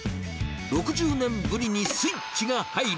６０年ぶりにスイッチが入る。